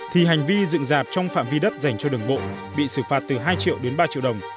thì hành vi dựng dạp trong phạm vi đất dành cho đường bộ bị xử phạt từ hai triệu đến ba triệu đồng